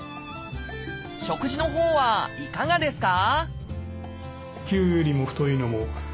食事のほうはいかがですか？